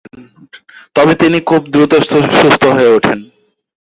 তবে তিনি খুব দ্রুত সুস্থ হয়ে ওঠেন।